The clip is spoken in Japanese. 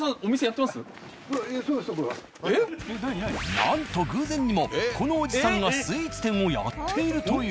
なんと偶然にもこのおじさんがスイーツ店をやっているという。